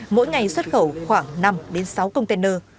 mỗi ngày xuất khẩu khoảng năm sáu container